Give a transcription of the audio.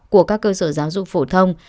của các cơ sở giáo dục phổ thông